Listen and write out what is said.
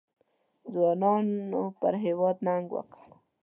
ځوانانو پر هېواد ننګ وکړ.